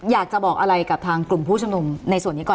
อยากจะบอกอะไรกับทางกลุ่มผู้ชมนุมในส่วนนี้ก่อน